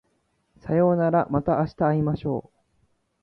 さようならまた明日会いましょう